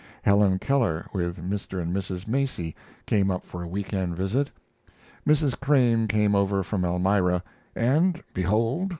Helen Keller, with Mr. and Mrs. Macy, came up for a week end visit. Mrs. Crane came over from Elmira; and, behold!